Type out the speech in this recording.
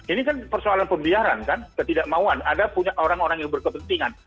ini kan persoalan pembiaran kan ketidakmauan ada punya orang orang yang berkepentingan